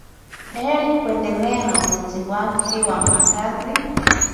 el kuendelea na ujenzi wake wa makazi